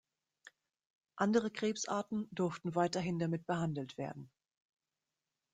Andere Krebsarten durften weiterhin damit behandelt werden.